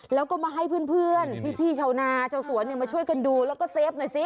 แล้วก็มาให้เพื่อนพี่ชาวนาชาวสวนมาช่วยกันดูแล้วก็เซฟหน่อยสิ